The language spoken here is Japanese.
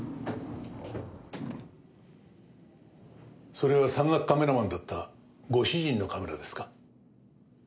それは山岳カメラマンだったご主人のカメラですか？